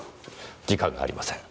時間がありません。